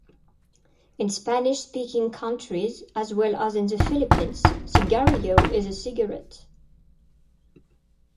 In Spanish-speaking countries, as well as in the Philippines, "cigarrillo" is a cigarette.